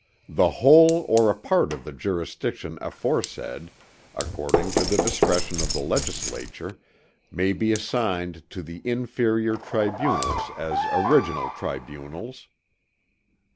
The whole or a part of the jurisdiction aforesaid, according to the discretion of the legislature, may be assigned to the inferior tribunals as original tribunals."